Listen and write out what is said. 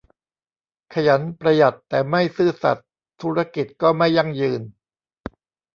ขยัน ประหยัดแต่ไม่ซื่อสัตย์ ธุรกิจก็ไม่ยั่งยืน